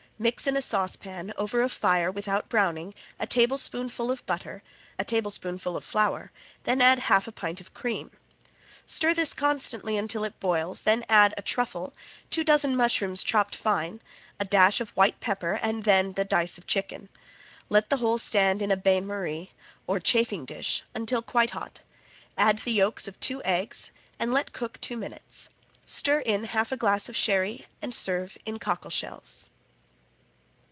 Mix in a saucepan, over a fire without browning, a tablespoonful of butter, a tablespoonful of flour, then add half a pint of cream. Stir this constantly until it boils, then add a truffle, two dozen mushrooms chopped fine, a dash of white pepper and then the dice of chicken. Let the whole stand in a bain marie, or chafing dish, until quite hot. Add the yolks of two eggs and let cook two minutes. Stir in half a glass of sherry and serve in cockle shells.